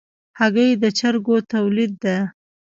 هګۍ د چرګو تولید ده.